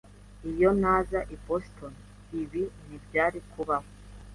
Iyo ntaza i Boston, ibi ntibyari kubaho.